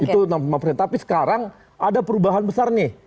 tapi sekarang ada perubahan besar nih